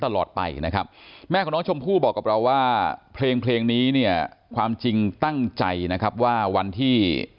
ตลอดไปนะครับแม่ของน้องชมพู่บอกกับเราว่าเพลงเพลงนี้เนี่ยความจริงตั้งใจนะครับว่าวันที่